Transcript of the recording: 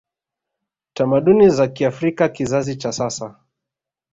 tamaduni za kiafrika Kizazi cha sasa